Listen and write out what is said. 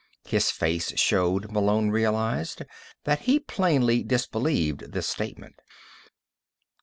His face showed, Malone realized, that he plainly disbelieved this statement.